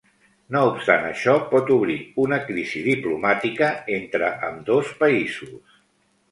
No obstant això, pot obrir una crisi diplomàtica entre ambdós països.